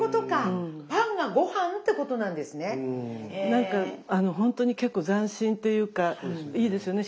なんかあのほんとに結構斬新っていうかいいですよね。